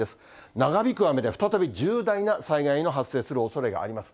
長引く雨で再び重大な災害の発生するおそれがあります。